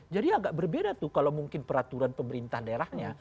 jadi agak berbeda kalau mungkin peraturan pemerintahan daerahnya